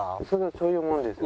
そういうもんですか？